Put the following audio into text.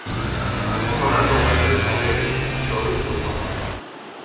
A'l poco rato va salir un mocet choven y muit guapo.